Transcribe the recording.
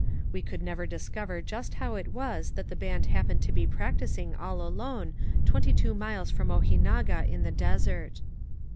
We could never discover just how it was that the band happened to be practicing all alone twenty two miles from Ojinaga in the desert.